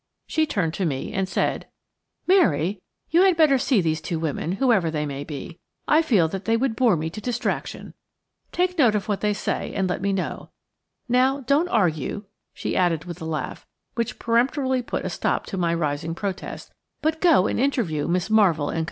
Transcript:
She turned to me and said: "Mary, you had better see these two women, whoever they may be; I feel that they would bore me to distraction. Take note of what they say, and let me know. Now, don't argue," she added with a laugh, which peremptorily put a stop to my rising protest, "but go and interview Miss Marvell and Co."